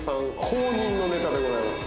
公認のネタでございます。